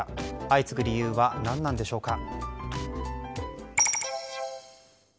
相次ぐ理由は何なんでしょうか。